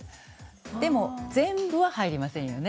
でも全部は入りませんよね。